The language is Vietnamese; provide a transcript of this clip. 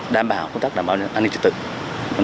đảm bảo công tác đảm bảo an ninh trật tự